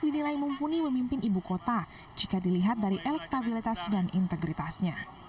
dinilai mumpuni memimpin ibu kota jika dilihat dari elektabilitas dan integritasnya